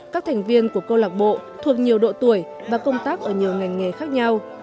các thành viên của câu lạc bộ thuộc nhiều độ tuổi và công tác ở nhiều ngành nghề khác nhau